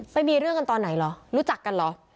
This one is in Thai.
ไปมีเรื่องกันตอนไหนเหรอรู้จักกันเหรอ